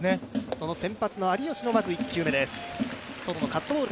その先発の有吉のまず１球目です